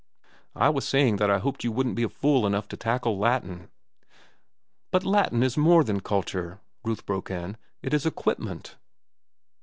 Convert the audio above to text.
"I was saying that I hoped you wouldn't be fool enough to tackle Latin." "But Latin is more than culture," Ruth broke in. "It is equipment."